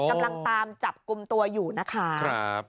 กำลังตามจับกลุ่มตัวอยู่นะคะ